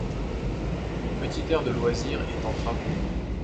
Une petite aire de loisirs est en travaux.